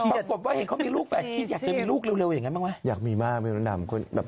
ปรากฏว่าเห็นเขามีลูกแบบนี้คิดอยากจะมีลูกเร็วอย่างนั้นบ้างไหม